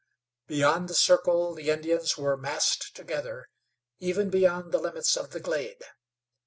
Beyond the circle the Indians were massed together, even beyond the limits of the glade.